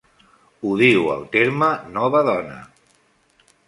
Odio el terme "Nova Dona".